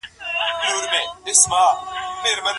د نرسنګ ښوونځي چيري ده؟